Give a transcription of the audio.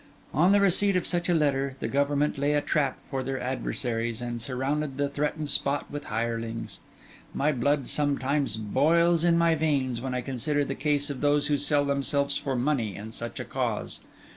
On the receipt of such a letter, the Government lay a trap for their adversaries, and surround the threatened spot with hirelings. My blood sometimes boils in my veins, when I consider the case of those who sell themselves for money in such a cause.